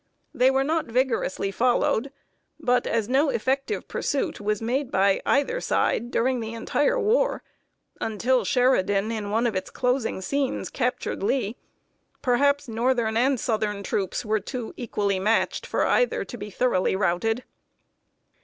They were not vigorously followed; but as no effective pursuit was made by either side during the entire war (until Sheridan, in one of its closing scenes, captured Lee), perhaps northern and southern troops were too equally matched for either to be thoroughly routed. [Sidenote: Beauregard Finally Routed.